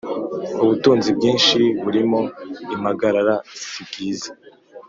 ubutunzi bwinshi burimo impagarara si bwiza